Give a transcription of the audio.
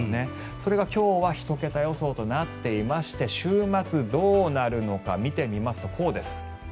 それが今日は１桁予想となっていまして週末、どうなるのか見てみますとこうです。